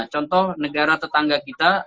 contoh negara tetangga kita